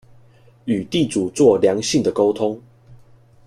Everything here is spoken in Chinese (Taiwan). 與地主做良性的溝通